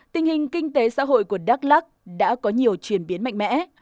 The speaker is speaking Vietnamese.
tình hình kinh tế xã hội của đắk lắc đã có nhiều chuyển biến mạnh mẽ